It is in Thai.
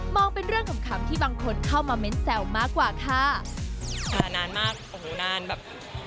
องเป็นเรื่องขำขำที่บางคนเข้ามาเม้นแซวมากกว่าค่ะอ่านานมากโอ้โหนานแบบ